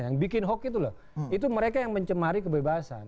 yang bikin hoax itu loh itu mereka yang mencemari kebebasan